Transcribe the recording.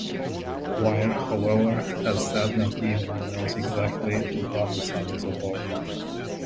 Wire, however, has said not even he knows exactly what the song is about.